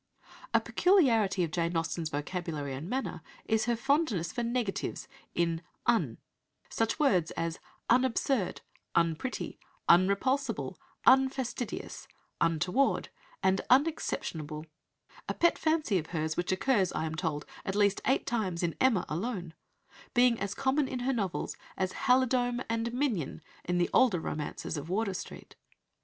A peculiarity of Jane Austen's vocabulary and manner is her fondness for negatives in "un," such words as "unabsurd," "unpretty," "unrepulsable," "unfastidious," "untoward," and "unexceptionable" a pet fancy of hers, which occurs, I am told, at least eight times in Emma alone being as common in her novels as "halidome" and "minion" in the older romances of Wardour Street.